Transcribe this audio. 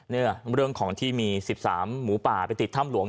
เรื่องของที่มี๑๓หมูป่าไปติดถ้ำหลวง